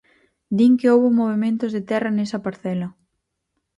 Din que houbo movementos de terra nesa parcela.